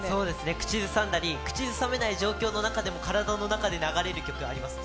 口ずさんだり口ずさめない状況でも体の中で流れる曲ありますね。